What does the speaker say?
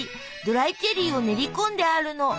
ドライチェリーを練り込んであるの。